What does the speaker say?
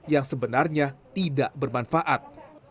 yang sebenarnya tidak bermanfaat